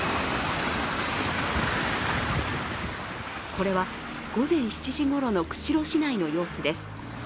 これは午前７時ごろの釧路市内の様子です。